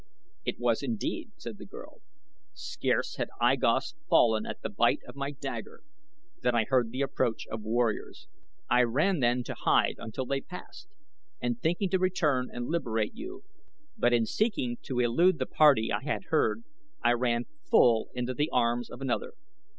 "It was indeed," said the girl. "Scarce had I Gos fallen at the bite of my dagger than I heard the approach of warriors. I ran then to hide until they had passed, thinking to return and liberate you; but in seeking to elude the party I had heard I ran full into the arms of another.